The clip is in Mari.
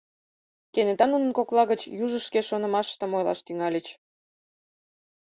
Кенета нунын кокла гыч южышт шке шонымашыштым ойлаш тӱҥальыч.